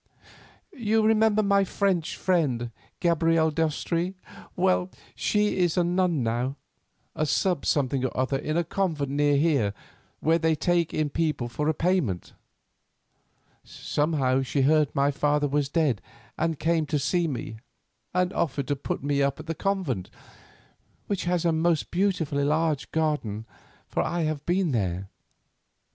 You remember my French friend, Gabrielle d'Estrée? Well; she is a nun now, a sub something or other in a convent near here where they take in people for a payment. Somehow she heard my father was dead, and came to see me, and offered to put me up at the convent, which has a beautiful large garden, for I have been there.